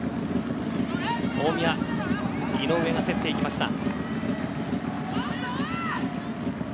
井上が競っていきました。